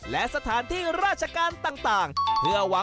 และสถานที่ราชการต่างเพื่อหวัง